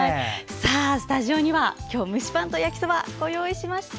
スタジオには今日は蒸しパンと焼きそばご用意しました。